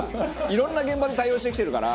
いろんな現場で対応してきてるから。